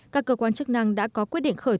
các cơ quan chức năng đã có quyết định khởi